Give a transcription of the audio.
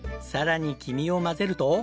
さらに黄身を混ぜると。